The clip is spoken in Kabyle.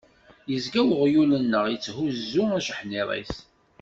Yezga uɣyul-nneɣ itthuzzu ajeḥniḍ-is.